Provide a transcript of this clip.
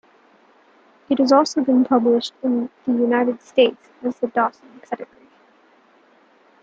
It has also been published in the United States as "The Dawson Pedigree".